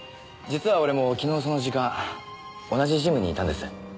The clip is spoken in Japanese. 実は俺も昨日その時間同じジムにいたんです。